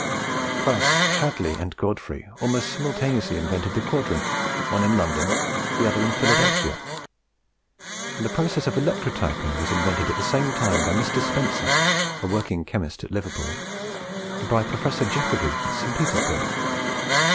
Thus Hadley and Godfrey almost simultaneously invented the quadrant, the one in London, the other in Philadelphia; and the process of electrotyping was invented at the same time by Mr. Spencer, a working chemist at Liverpool, and by Professor Jacobi at St. Petersburg.